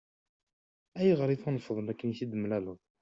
Ayɣer i tunfeḍ makken i t-id-temlaleḍ?